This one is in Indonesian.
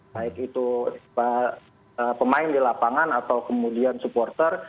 baik itu pemain di lapangan atau kemudian supporter